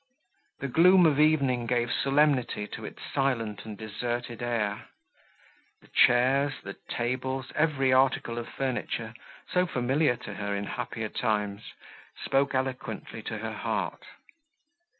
The gloom of evening gave solemnity to its silent and deserted air. The chairs, the tables, every article of furniture, so familiar to her in happier times, spoke eloquently to her heart.